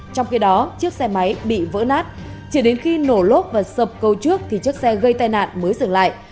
trong khi đó chiếc xe máy bị vỡ nát chỉ đến khi nổ lốp và sập cầu trước thì chiếc xe gây tai nạn mới dừng lại